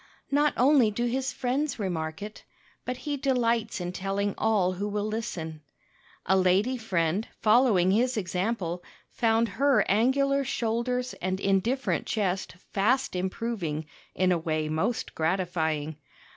Not only do his friends remark it, but he delights in telling all who will listen. A lady friend, following his example, found her angular shoulders and indifferent chest fast improving in a way most gratifying.